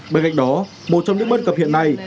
bên cạnh đó một trong những bất cập hiện nay